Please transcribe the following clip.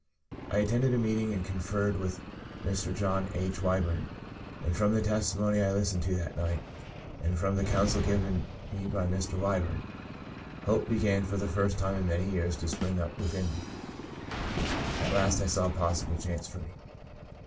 " I attended a meeting and conferred with i6o By a Great Deliverance Mr. John H. Wyburn, and from the testimo nies I listened to that night and from the council given me by Mr. Wyburn, hope be gan for the first time in many years to spring up within me. At last I saw a possible chance for me.